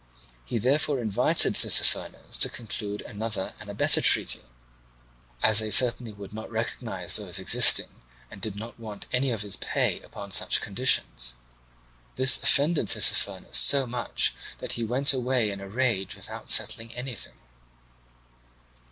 He therefore invited Tissaphernes to conclude another and a better treaty, as they certainly would not recognize those existing and did not want any of his pay upon such conditions. This offended Tissaphernes so much that he went away in a rage without settling anything.